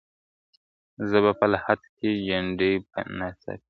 زه په لحد کي جنډۍ به ناڅي !.